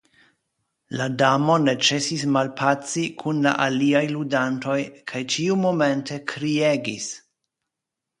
La Damo ne ĉesis malpaci kun la aliaj ludantoj kaj ĉiumomente kriegis.